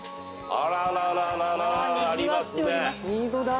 あららららありますね。